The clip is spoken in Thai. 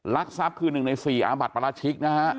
ลักทรัพย์คือ๑ใน๔อาบัติปราชิกนะฮะ